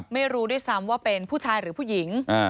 ไม่รู้ด้วยซ้ำว่าเป็นผู้ชายหรือผู้หญิง